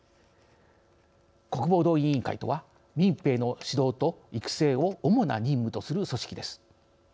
国防動員委員会とは民兵の指導と育成を主な任務とする組織です。